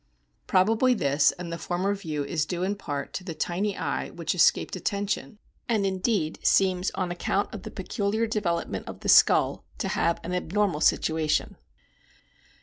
Probably this and the former view is due in part to the tiny eye which escaped attention, and indeed seems on account of the peculiar development of the skull to have an abnormal situation.